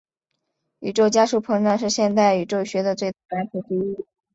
宇宙加速膨胀是现代宇宙学的最大难题之一。